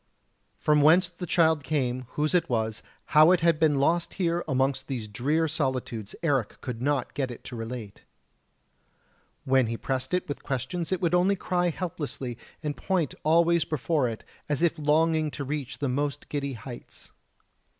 From whence the child came, whose it was, how it had been lost here amongst these drear solitudes Eric could not get it to relate. When he pressed it with questions it would only cry helplessly, and point always before it, as if longing to reach the most giddy heights.